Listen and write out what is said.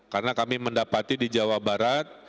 karena kami mendapati di jawa barat